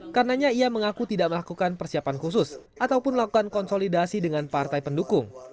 karena dia mengaku tidak melakukan persiapan khusus ataupun melakukan konsolidasi dengan partai pendukung